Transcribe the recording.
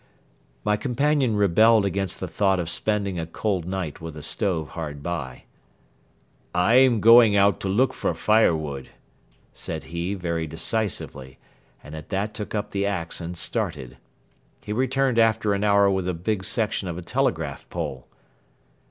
My companion rebelled against the thought of spending a cold night with a stove hard by. "I am going out to look for firewood," said he very decisively; and at that took up the ax and started. He returned after an hour with a big section of a telegraph pole.